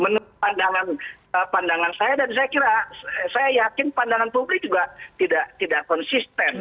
menurut pandangan saya dan saya kira saya yakin pandangan publik juga tidak konsisten